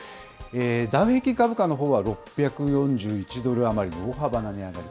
ダウ平均株価のほうは、６４１ドル余りの大幅な値上がり。